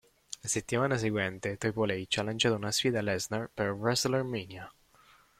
La settimana seguente, Triple H ha lanciato una sfida a Lesnar per WrestleMania.